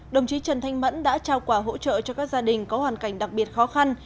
đồng chí trần thanh mẫn đã trao quà hỗ trợ cho các gia đình có hoàn cảnh đặc biệt khó khăn